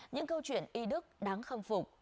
những câu chuyện y đức đáng khâm phục